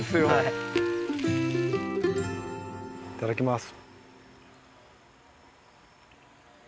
いただきます。